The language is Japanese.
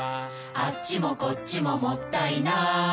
「あっちもこっちももったいない」